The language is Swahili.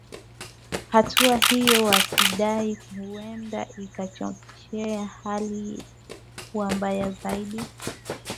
hatua hiyo wakidai huenda ikachochea hali kuwa mbaya zaidi